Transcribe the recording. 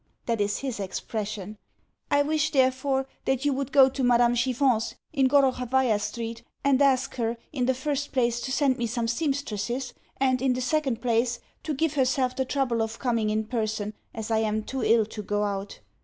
That is his expression. I wish, therefore, that you would go to Madame Chiffon's, in Gorokhovaia Street, and ask her, in the first place, to send me some sempstresses, and, in the second place, to give herself the trouble of coming in person, as I am too ill to go out.